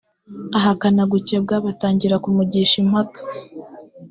ahakana gukebwa batangira kumugisha impaka